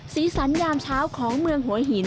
สีสันยามเช้าของเมืองหัวหิน